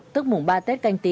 tức mùng ba tết canh tí